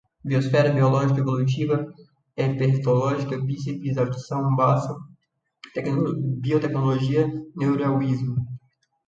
biosfera, biólogo, evolutiva, herpetologia, bíceps, audição, baço, biotecnologia, neodarwinismo